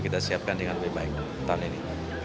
kita siapkan dengan lebih baik tahun ini